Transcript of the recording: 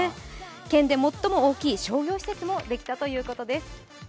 県で最も大きい商業施設もできたということです。